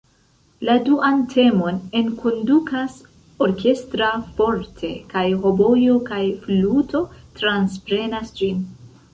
La duan temon enkondukas orkestra "forte", kaj hobojo kaj fluto transprenas ĝin.